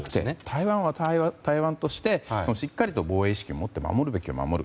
台湾は台湾としてしっかりと防衛意識をもって守るべきは守る。